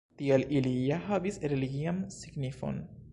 Tiel ili ja havis religian signifon.